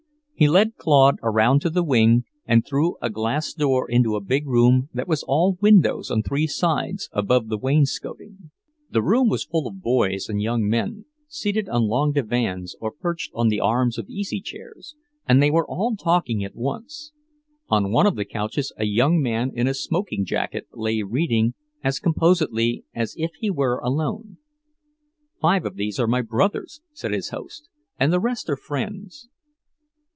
He led Claude around to the wing, and through a glass door into a big room that was all windows on three sides, above the wainscoting. The room was full of boys and young men, seated on long divans or perched on the arms of easy chairs, and they were all talking at once. On one of the couches a young man in a smoking jacket lay reading as composedly as if he were alone. "Five of these are my brothers," said his host, "and the rest are friends."